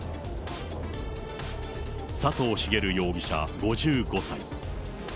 佐藤茂容疑者５５歳。